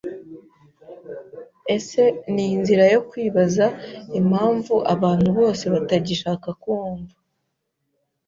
Ese ni inzira yo kwibaza impamvu abantu bose batagishaka kumva